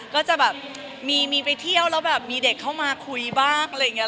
ก็จะแบบมีไปเที่ยวแล้วแบบมีเด็กเข้ามาคุยบ้างอะไรอย่างนี้